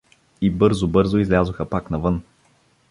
И бързо-бързо излязоха пак навън.